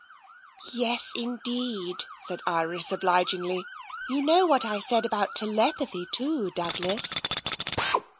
'' "Yes, indeed," said Iris obligingly. "You know what I said about telepathy, too, Douglas."